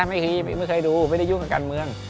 ไม่เคยดูไม่ได้ยุ่งกับการเมือง